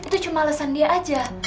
itu cuma alasan dia aja